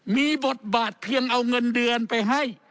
มีบทบาทเพียงเอาเงินเดือนไปให้